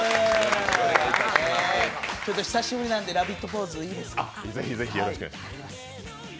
ちょっと久しぶりなので、ラヴィットポーズいいですか？